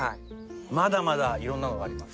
まだまだ色んなのがあります。